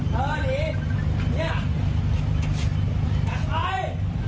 จัดไป